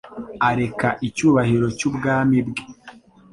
areka icyubahiro cy'ubwami bwe.